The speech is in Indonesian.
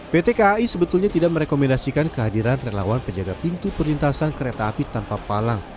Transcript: pt kai sebetulnya tidak merekomendasikan kehadiran relawan penjaga pintu perlintasan kereta api tanpa palang